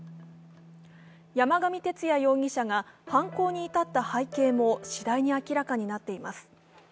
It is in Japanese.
山上徹也容疑者が犯行に至った背景もしだいに明らかになっています。